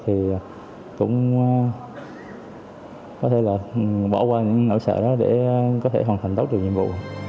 thì cũng có thể là bỏ qua những nỗi sợ đó để có thể hoàn thành tốt được nhiệm vụ